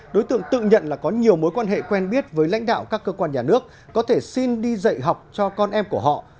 đối tượng tự nhận là có nhiều mối quan hệ quen biết với lãnh đạo các cơ quan nhà nước có thể xin đi dạy học cho con em của họ